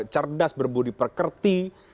cerdas berbudi perkerti